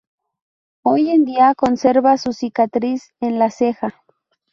Hoy en día conserva su cicatriz en la ceja.